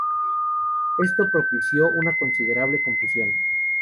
Esto propició una considerable confusión.